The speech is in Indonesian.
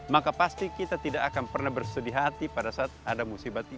maka pasti kita tidak akan pernah bersedih hati pada saat ada musibah tiba